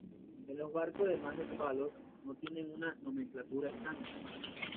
En los barcos de más de tres palos no tienen una nomenclatura estándar.